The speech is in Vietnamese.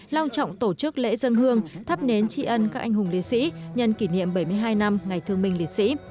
lao trọng tổ chức lễ dân hương thắp nến tri ân các anh hùng liệt sĩ nhân kỷ niệm bảy mươi hai năm ngày thương minh liệt sĩ